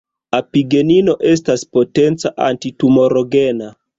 Apigenino estas potenca antitumorogena.